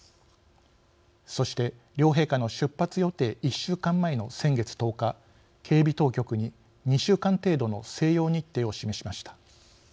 そして両陛下の出発予定１週間前の先月１０日警備当局に２週間程度の静養日程を示しました。